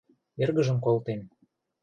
Эргыжым колтен.